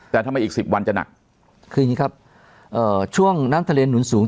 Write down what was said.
แต่ทำไมอีกสิบวันจะหนักคืออย่างนี้ครับเอ่อช่วงน้ำทะเลหนุนสูง